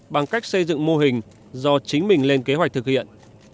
bằng cách xây dựng mô hình do chính mình lên kế hoạch thực hiện